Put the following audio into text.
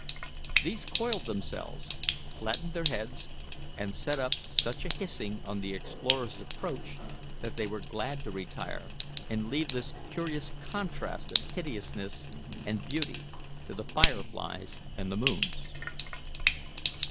These coiled themselves, flattened their heads, and set up such a hissing on the explorers' approach that they were glad to retire, and leave this curious contrast of hideousness and beauty to the fire flies and the moons.